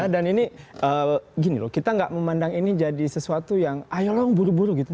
dan ini gini loh kita nggak memandang ini jadi sesuatu yang ayolah buru buru gitu